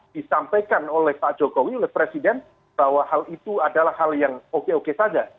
disampaikan oleh pak jokowi oleh presiden bahwa hal itu adalah hal yang oke oke saja